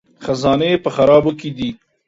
خزانې په خرابو کې دي